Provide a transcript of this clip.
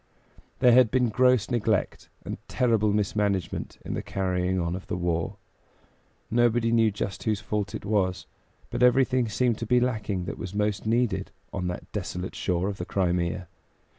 There had been gross neglect and terrible mismanagement in the carrying on of the war. Nobody knew just whose fault it was, but everything seemed to be lacking that was most needed on that desolate shore of the Crimea.